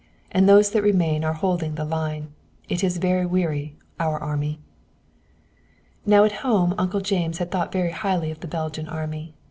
"And those that remain are holding the line. It is very weary, our army." Now at home Uncle James had thought very highly of the Belgian Army.